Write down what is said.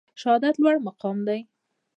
شهادت لوړ مقام دی